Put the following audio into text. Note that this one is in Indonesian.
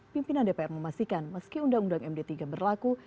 pimpinan dpr memastikan meski undang undang md tiga berlaku